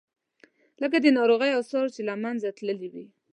لکه د ناروغۍ آثار چې له منځه تللي وي.